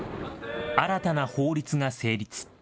新たな法律が成立。